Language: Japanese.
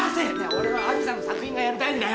おれは兄さんの作品がやりたいんだよ。